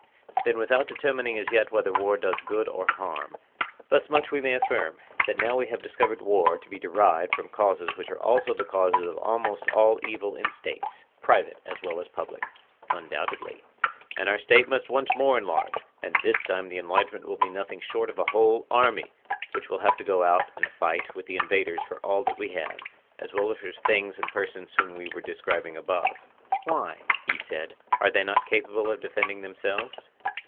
Then without determining as yet whether war does good or harm, thus much we may affirm, that now we have discovered war to be derived from causes which are also the causes of almost all the evils in States, private as well as public. Undoubtedly. And our State must once more enlarge; and this time the enlargement will be nothing short of a whole army, which will have to go out and fight with the invaders for all that we have, as well as for the things and persons whom we were describing above. Why? he said; are they not capable of defending themselves?